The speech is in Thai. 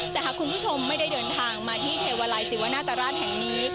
แต่หากคุณผู้ชมไม่ได้เดินทางมาที่เทวาลัยศิวนาตราชแห่งนี้